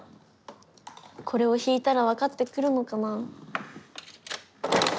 これを引いたら分かってくるのかな。